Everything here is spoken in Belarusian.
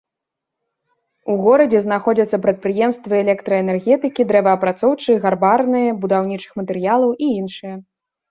У горадзе знаходзяцца прадпрыемствы электраэнергетыкі, дрэваапрацоўчыя, гарбарныя, будаўнічых матэрыялаў і іншыя.